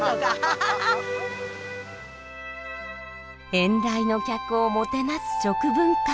遠来の客をもてなす食文化。